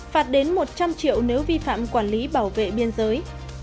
phạt đến một trăm linh triệu nếu vi phạm quản lý bảo vệ biên giới